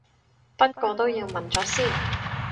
不過都要問咗先